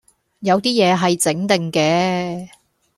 有啲野係整定嘅